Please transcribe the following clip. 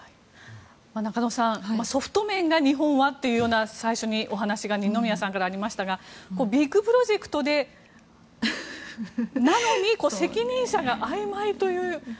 中野さんソフト面は日本がというお話が二宮さんからありましたがビッグプロジェクトなのに責任者があいまいという。